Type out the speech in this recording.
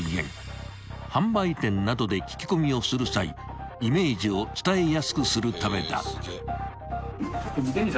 ［販売店などで聞き込みをする際イメージを伝えやすくするためだ］